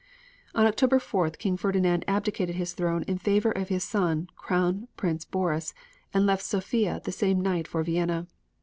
On October 4th King Ferdinand abdicated his throne in favor of his son Crown Prince Boris, and left Sofia the same night for Vienna.